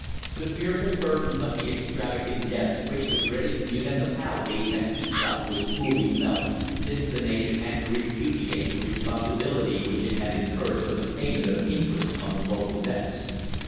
The fearful burden of the extravagant debts which the British municipalities had heaped up was cruelly felt, since the nation had to repudiate the responsibility which it had incurred for the payment of interest on the local debts.